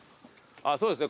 あっそうですね